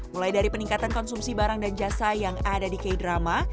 mulai dari peningkatan konsumsi barang dan jasa yang ada di k drama